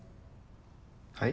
はい？